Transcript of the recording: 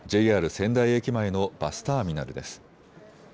仙台駅前のバスターミナルです。